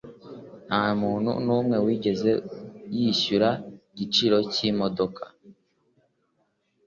Ntamuntu numwe wigeze yishyura igiciro cyimodoka.